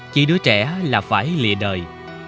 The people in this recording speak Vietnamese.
chỉ đứa trẻ là phải lịa đời